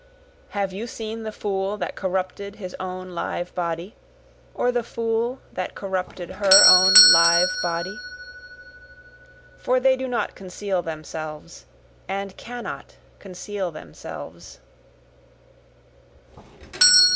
Have you seen the fool that corrupted his own live body? or the fool that corrupted her own live body? For they do not conceal themselves, and cannot conceal themselves.